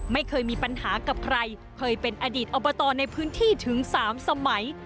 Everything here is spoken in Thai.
ไม่เคยมีปัญหากับใครเคยเป็นอดีตอบตในพื้นที่ถึง๓สมัย